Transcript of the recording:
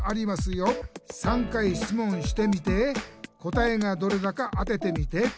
「３回しつもんしてみて答えがどれだか当ててみて！」